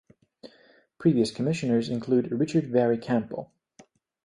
Previous Commissioners include Richard Vary Campbell.